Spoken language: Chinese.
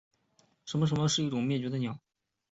留尼旺椋鸟是一种已灭绝的椋鸟。